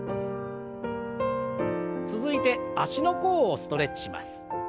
続いて足の甲をストレッチします。